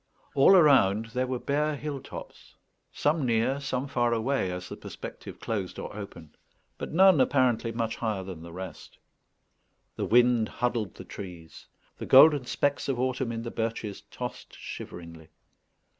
All around there were bare hill tops, some near, some far away, as the perspective closed or opened, but none apparently much higher than the rest. The wind huddled the trees. The golden specks of autumn in the birches tossed shiveringly.